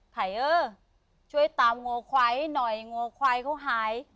ไฮเอ้อช่วยตามวัวควายให้หน่อยวัวควายเค้าหาย